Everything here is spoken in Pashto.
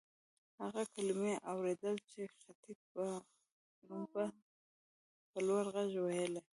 هغه کلیمې اورېدلې چې خطیب به په لوړ غږ وېلې.